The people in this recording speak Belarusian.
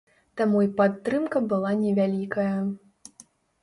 Таму і падтрымка была невялікая.